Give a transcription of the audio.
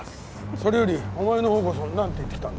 それよりお前の方こそなんて言って来たんだ？